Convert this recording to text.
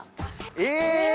え！